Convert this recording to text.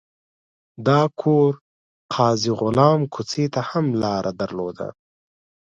دا کور قاضي غلام کوڅې ته هم لار درلوده.